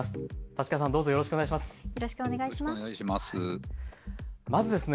太刀川さん、どうぞよろしくお願いします。